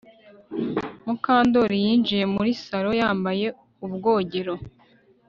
Mukandoli yinjiye muri salo yambaye ubwogero